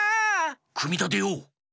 くみたてよう！